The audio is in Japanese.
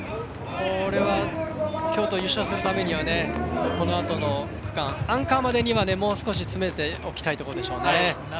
京都優勝するためにはこのあとの区間アンカーまでにもう少し詰めておきたいところですね。